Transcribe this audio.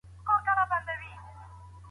ویل کېږي چي الله ډېر بښونکی دی.